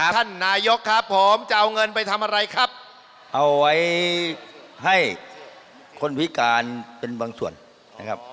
ท่านนายกครับผมจะเอาเงินไปทำอะไรครับเอาไว้ให้คนพิการเป็นบางส่วนนะครับ